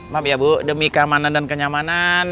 maaf ya bu demi keamanan dan kenyamanan